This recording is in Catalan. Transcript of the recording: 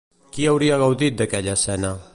Qui hauria gaudit d'aquella escena?